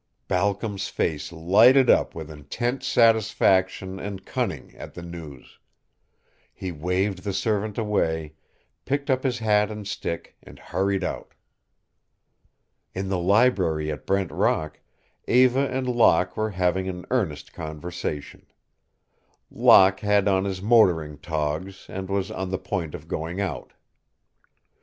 Balcom's face lighted up with intense satisfaction and cunning at the news. He waved the servant away, picked up his hat and stick, and hurried out. In the library at Brent Rock Eva and Locke were having an earnest conversation. Locke had on his motoring togs and was on the point of going out.